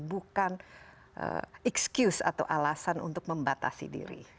bukan excuse atau alasan untuk membatasi diri